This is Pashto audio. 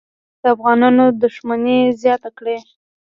د افغانانو دښمني زیاته کړي.